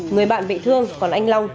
người bạn bị thương còn anh long